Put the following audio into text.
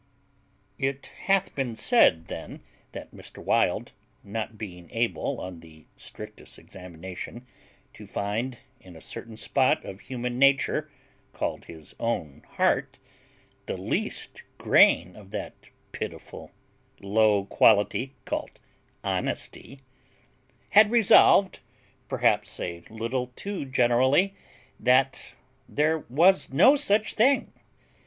It hath been said then that Mr. Wild, not being able on the strictest examination to find in a certain spot of human nature called his own heart the least grain of that pitiful low quality called honesty, had resolved, perhaps a little too generally, that there was no such thing.